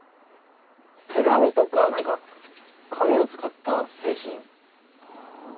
手紙とか何か紙を使った製品。